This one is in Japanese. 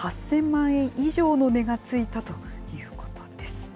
８０００万円以上の値がついたということです。